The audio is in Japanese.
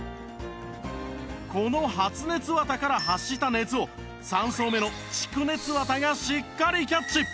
この発熱綿から発した熱を３層目の蓄熱綿がしっかりキャッチ